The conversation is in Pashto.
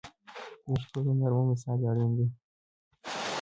ویښتو ته نرمه مساج اړین دی.